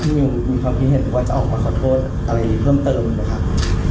พี่มิวมีความพิเศษว่าจะออกมาขอโทษอะไรเพิ่มเติมหรือครับ